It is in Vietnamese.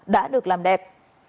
đã được làm đẹp